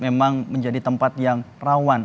memang menjadi tempat yang rawan